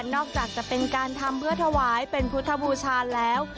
อกจากจะเป็นการทำเพื่อถวายเป็นพุทธบูชาแล้ว